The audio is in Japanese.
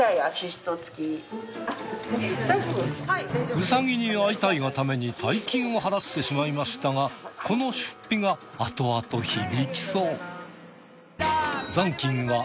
ウサギに会いたいがために大金を払ってしまいましたがこの出費が後々響きそう。